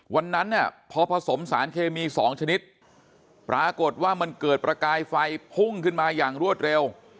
วันนั้นเนี่ยพอผสมสารเคมี๒ชนิดปรากฏว่ามันเกิดประกายไฟพุ่งขึ้นมาอย่างรวดเร็ว